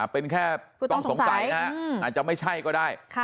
เป็นแค่ต้องสงสัยนะอาจจะไม่ใช่ก็ได้